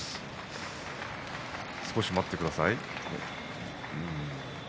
少し待ってください。